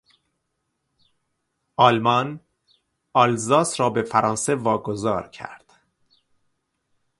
آلمان آلزاس را به فرانسه واگذار کرد.